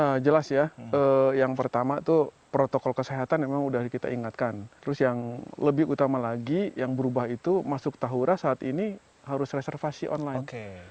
ya jelas ya yang pertama itu protokol kesehatan memang sudah kita ingatkan terus yang lebih utama lagi yang berubah itu masuk tahura saat ini harus reservasi online